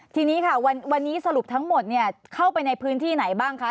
ทีนี้ค่ะวันนี้สรุปทั้งหมดเข้าไปในพื้นที่ไหนบ้างคะ